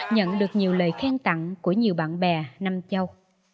nhận được nhiều lời khen tặng của nhiều bạn bè nam châu